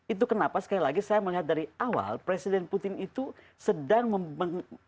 itu kenapa sekali lagi saya melihat dari awal presiden putin itu sedang membangun